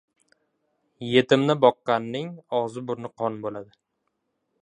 yetimni boqqanning og‘zi-burni qon bo‘ladi.